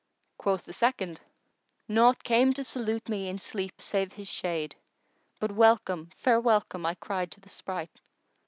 Quoth the second:— Naught came to salute me in sleep save his shade * But "welcome, fair welcome," I cried to the spright!